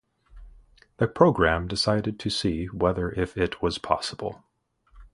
The programme decided to see whether if it was possible.